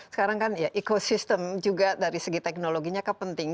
sekarang kan ekosistem juga dari segi teknologinya kepenting